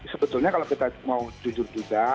sebetulnya kalau kita mau jujur juga